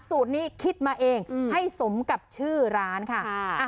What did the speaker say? สูตรนี้คิดมาเองอืมให้สมกับชื่อร้านค่ะค่ะอ่ะ